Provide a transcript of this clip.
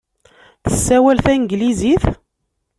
Tessawal tanglizit?